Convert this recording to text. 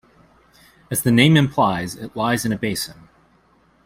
As the name implies, it lies in a basin.